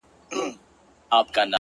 • هر گړى خــوشـــالـــه اوســـــــــــې؛